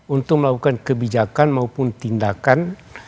untuk melakukan kebijakan maupun tindakan